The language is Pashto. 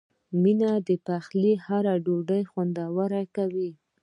د مینې پخلی هره ډوډۍ خوندوره کوي.